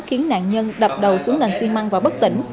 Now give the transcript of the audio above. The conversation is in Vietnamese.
khiến nạn nhân đập đầu xuống nền xi măng và bất tỉnh